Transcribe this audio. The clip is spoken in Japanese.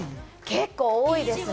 結構多いですね。